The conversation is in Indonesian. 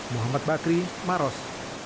muhammad bakri maros